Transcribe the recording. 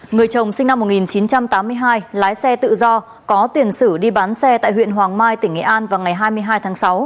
người chồng sinh năm một nghìn chín trăm tám mươi hai lái xe tự do có tiền sử đi bán xe tại huyện hoàng mai tỉnh nghệ an vào ngày hai mươi hai tháng sáu